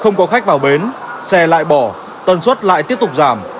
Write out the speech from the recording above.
không có khách vào bến xe lại bỏ tần suất lại tiếp tục giảm